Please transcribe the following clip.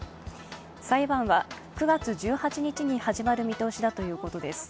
裁判は９月１８日に始まる見通しだということです。